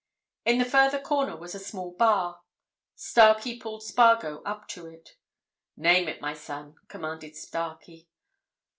In the further corner was a small bar; Starkey pulled Spargo up to it. "Name it, my son," commanded Starkey.